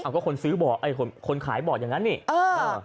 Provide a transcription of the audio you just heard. อ้าวก็คนซื้อบอร์ตคนขายบอร์ตอย่างนั้นเนี่ย